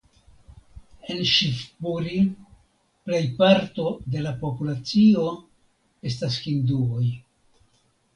En Ŝivpuri plejparto de la populacio estas hinduoj.